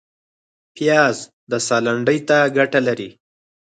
پیاز د ساه لنډۍ ته ګټه لري